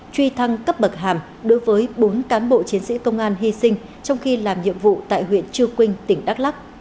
truy thăng cấp bậc hàm đối với bốn cán bộ chiến sĩ công an hy sinh trong khi làm nhiệm vụ tại huyện chư quynh tỉnh đắk lắc